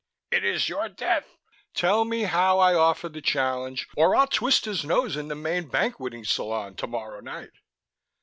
"It is your death " "Tell me how I offer the challenge ... or I'll twist his nose in the main banqueting salon tomorrow night."